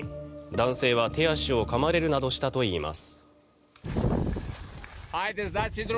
男性は手足をかまれるなどしたといいます。